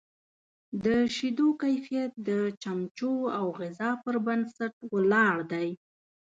د شیدو کیفیت د چمچو او غذا پر بنسټ ولاړ دی.